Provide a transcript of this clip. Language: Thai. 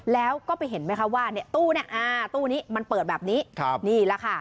แล้วก็ไปเห็นไหมคะว่าตู้นี้มันเปิดแบบนี้นี่แหละค่ะ